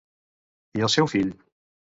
I al seu fill?